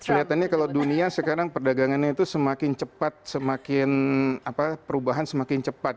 kelihatannya kalau dunia sekarang perdagangannya itu semakin cepat semakin perubahan semakin cepat